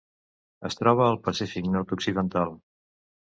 Es troba al Pacífic nord-occidental: